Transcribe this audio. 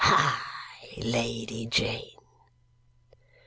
Hi, Lady Jane!"